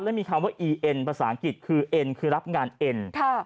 และมีคำว่าอีเอ็นภาษาอังกฤษคือเอ็นคือรับงานเอ็น